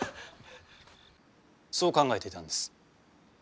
そう考えていたんです。